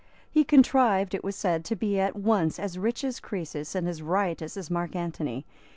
He contrived, it was said, to be at once as rich as Croesus and as riotous as Mark Antony.